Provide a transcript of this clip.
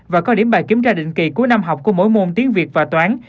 và có điểm bài kiểm tra định kỳ cuối năm học của mỗi môn tiếng việt và toán